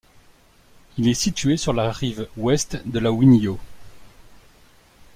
Il est situé sur la rive ouest de la Winyaw.